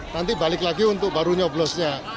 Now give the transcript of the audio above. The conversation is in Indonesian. nanti balik lagi untuk baru nyoblosnya